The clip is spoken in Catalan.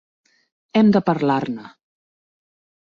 Hem de parlar-ne!